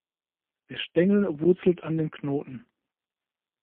Der Stängel wurzelt an den Knoten.